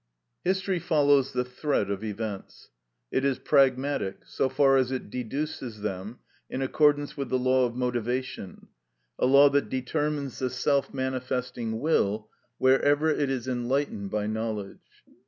History follows the thread of events; it is pragmatic so far as it deduces them in accordance with the law of motivation, a law that determines the self manifesting will wherever it is enlightened by knowledge.